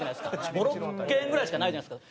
５６軒ぐらいしかないじゃないですか。